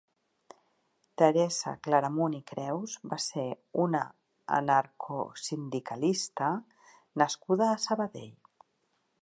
Teresa Claramunt i Creus va ser una anarcosindicalista nascuda a Sabadell.